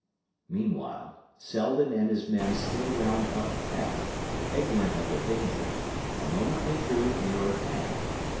Meanwhile, Selden and his men still wound up the path, ignorant of their danger, and momently drew nearer hand.